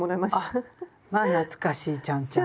あっまあ懐かしいちゃんちゃんこ。